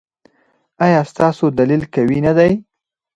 ایا ستاسو دلیل قوي نه دی؟